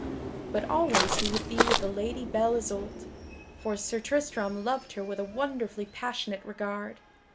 But always he would be with the Lady Belle Isoult, for Sir Tristram loved her with a wonderfully passionate regard.